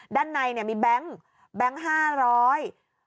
ด้านในเนี่ยมีแบงค์แบงค์ห้าร้อย